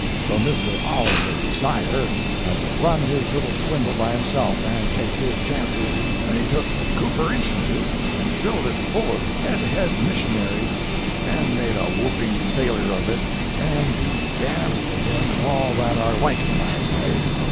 So Mr. Oliver Dyer had to run his little swindle by himself, and take his chances—and he took Cooper Institute and filled it full of head head missionaries and made a whooping failure of it, and be d—d to him and all that are like him, I say.